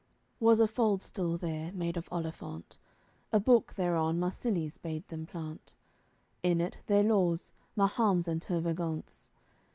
AOI. XLVII Was a fald stool there, made of olifant. A book thereon Marsilies bade them plant, In it their laws, Mahum's and Tervagant's.